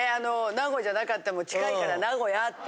名古屋じゃなかっても近いから「名古屋」って。